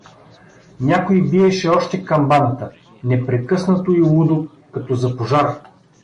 Някой биеше още камбаната, непрекъснато и лудо, като за пожар.